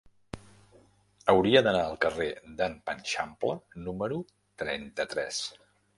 Hauria d'anar al carrer d'en Panxampla número trenta-tres.